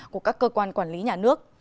của các cơ quan quản lý nhà nước